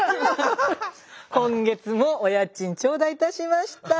今月もお家賃頂戴いたしました。